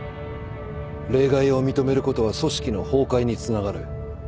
例外を認めることは組織の崩壊につながる。